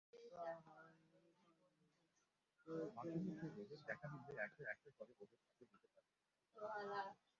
মাঝেমধ্যে রোদের দেখা মিললে একটা একটা করে রোদের তাপে দিতে পারেন।